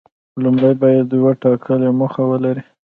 لومړی باید یوه ټاکلې موخه ولري.